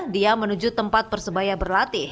dia menuju tempat persebaya berlatih